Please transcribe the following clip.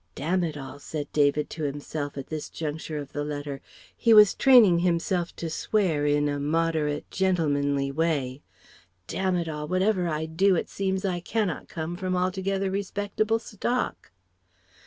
["Damn it all," said David to himself at this juncture of the letter he was training himself to swear in a moderate, gentlemanly way "Damn it all! Whatever I do, it seems I cannot come from altogether respectable stock."...